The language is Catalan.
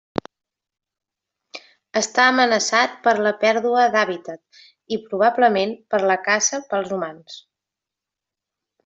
Està amenaçat per la pèrdua d'hàbitat i, probablement, per la caça pels humans.